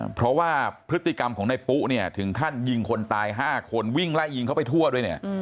เพราะว่าพฤติกรรมของนายปุ๊เนี่ยถึงขั้นยิงคนตาย๕คนวิ่งไล่ยิงเขาไปทั่วด้วยเนี่ย